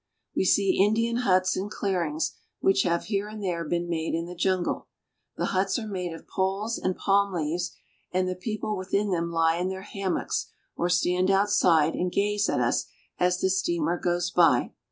We see Indian huts and clearings which have here and there been made in the jungle. The huts are made of poles and palm leaves, and the people within them He in their hammocks or stand outside and gaze at us as the steamer goes by.